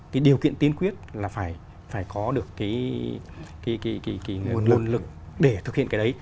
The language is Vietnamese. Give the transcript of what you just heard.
cái điều kiện tiên quyết là phải có được cái nguồn lực để thực hiện cái đấy